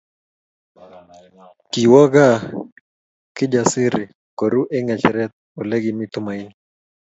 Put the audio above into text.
Kiwo gaa Kijasiri koru eng ngecheret Ole kimi Tumaini